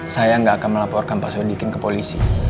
saya nggak akan melaporkan pak sodikin ke polisi